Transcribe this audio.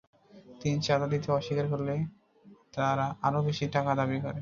তিনি চাঁদা দিতে অস্বীকার করলে তারা আরও বেশি টাকা দাবি করে।